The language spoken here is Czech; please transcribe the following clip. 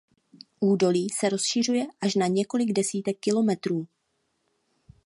Údolí se rozšiřuje až na několik desítek kilometrů.